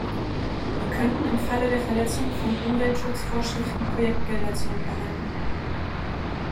Wir könnten im Falle der Verletzung von Umweltschutzvorschriften Projektgelder zurückhalten.